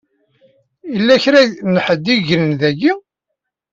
Yella kra n ḥedd i yegnen daki.